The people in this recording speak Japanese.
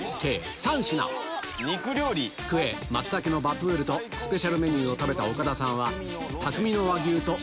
松茸のヴァプールとスペシャルメニューを食べた岡田さん